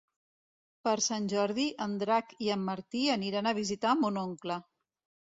Per Sant Jordi en Drac i en Martí aniran a visitar mon oncle.